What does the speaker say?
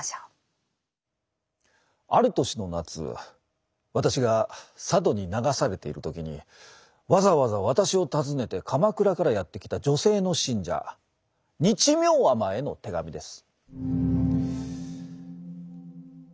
ある年の夏私が佐渡に流されている時にわざわざ私を訪ねて鎌倉からやって来た女性の信者日妙尼への手紙です。